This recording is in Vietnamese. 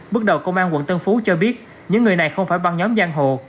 bước đầu công an quận tân phú cho biết những người này không phải băng nhóm giang hồ